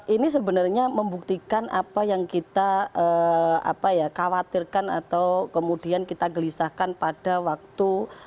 ini sebenarnya membuktikan apa yang kita khawatirkan atau kemudian kita gelisahkan pada waktu